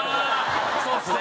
そうですね！